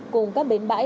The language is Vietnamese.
cùng các bến bãi